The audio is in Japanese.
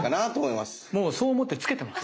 もうそう思って着けてます。